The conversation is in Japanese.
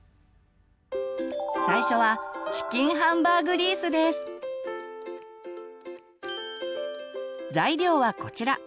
最初は材料はこちら。